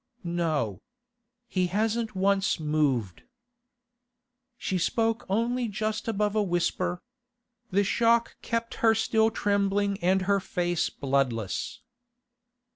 'No. He hasn't once moved.' She spoke only just above a whisper. The shock kept her still trembling and her face bloodless.